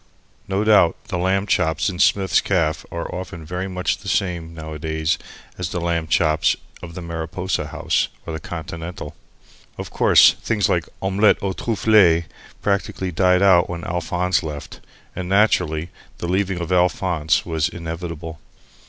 No doubt the lamb chops in Smith's Caff are often very much the same, nowadays, as the lamb chops of the Mariposa House or the Continental. Of course, things like Omelette aux Trufles practically died out when Alphonse went. And, naturally, the leaving of Alphonse was inevitable.